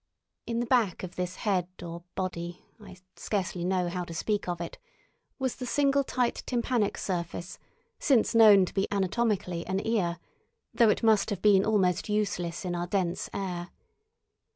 In the back of this head or body—I scarcely know how to speak of it—was the single tight tympanic surface, since known to be anatomically an ear, though it must have been almost useless in our dense air.